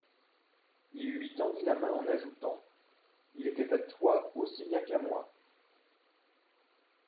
Il lui tendit la main en ajoutant : Il était à toi aussi bien qu'à moi.